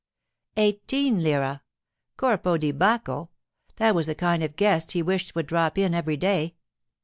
Eighteen lire. Corpo di Bacco! that was the kind of guests he wished would drop in every day.